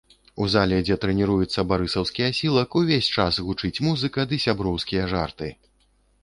У зале, дзе трэніруецца барысаўскі асілак, увесь час гучыць музыка ды сяброўскія жарты.